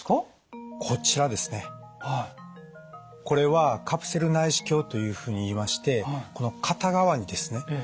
これはカプセル内視鏡というふうにいいましてこの片側にですね